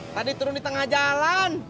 tadi turun di tengah jalan